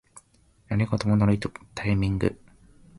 何事もノリとタイミング